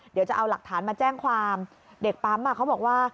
เดี๋ยวจะเอาหลักฐานมาแจ้งความเด็กปั๊มอ่ะเขาบอกว่า